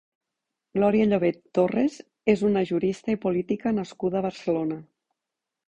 Glòria Llobet Torres és una jurista i política nascuda a Barcelona.